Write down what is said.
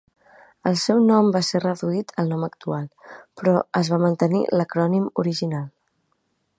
El seu nom va ser reduït al nom actual, però es va mantenir l'acrònim original.